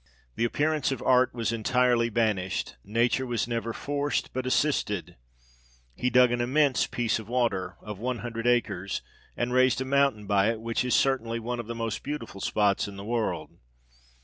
The appearance of art was entirely banished ; nature was never forced, but assisted : he dug an immense piece of water, of one hundred acres, and raised a mountain by it, which is certainly one of the most beautiful spots in the world.